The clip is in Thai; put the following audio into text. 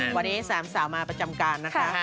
วันนี้๓สาวมาประจำการนะคะ